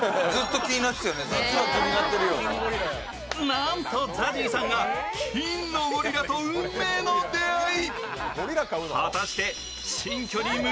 なんとＺＡＺＹさんが金のゴリラと運命の出会い。